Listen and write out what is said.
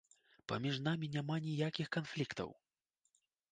Паміж намі няма ніякіх канфліктаў!